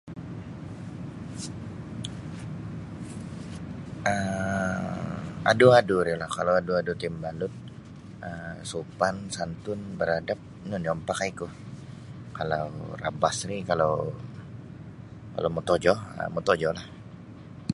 um Adu-adu di lah, kalau adu-adu ti mabalud um sopan, santun, beradab ino nio mipakaiku, kalau rabas ri kalau mitojo, mitojo lah.